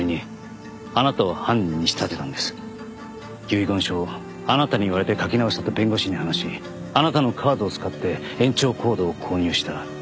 遺言書をあなたに言われて書き直したと弁護士に話しあなたのカードを使って延長コードを購入した。